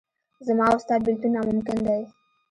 زما او ستا بېلتون ناممکن دی.